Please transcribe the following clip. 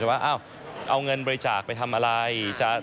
แต่ว่าเอาเงินบริจาคไปทำอะไร